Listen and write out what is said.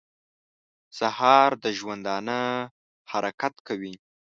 سهار د ژوندانه حرکت کوي.